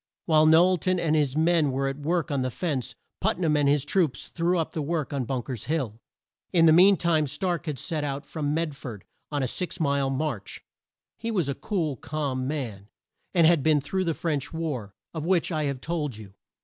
While Knowl ton and his men were at work on this fence, Put nam and his troops threw up the work on Bunk er's Hill. In the mean time Stark had set out from Med ford on a six mile march. He was a cool, calm man, and had been through the French war, of which I have told you.